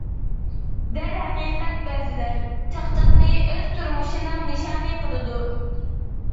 دەرھەقىقەت بەزىلەر، چاقچاقنى ئۆز تۇرمۇشىنىڭ نىشانى قىلىدۇ.